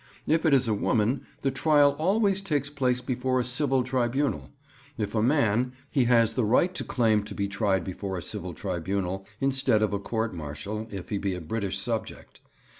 If it is a woman, the trial always takes place before a civil tribunal; if a man, he has the right to claim to be tried before a civil tribunal instead of a court martial, if he be a British subject.